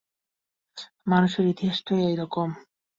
মানুষের ইতিহাসটাই এইরকম।